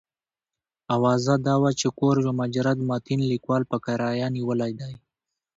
اوازه دا وه چې کور یو مجرد متین لیکوال په کرایه نیولی دی.